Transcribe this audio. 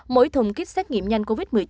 mỗi thùng kích xét nghiệm nhanh covid một mươi chín